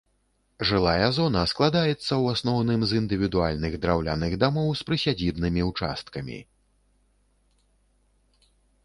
Жылая зона складаецца ў асноўным з індывідуальных драўляных дамоў з прысядзібнымі ўчасткамі.